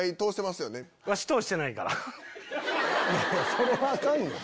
それはアカンねん！